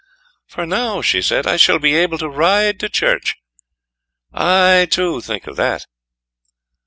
"For now," she said, "I shall be able to ride to church. I, too, think of that."